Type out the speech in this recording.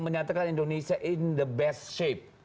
menyatakan indonesia in the best shape